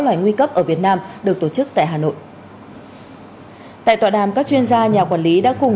loài nguy cấp ở việt nam được tổ chức tại hà nội tại tọa đàm các chuyên gia nhà quản lý đã cùng